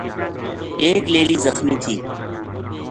ایک لیلی زخمی تھی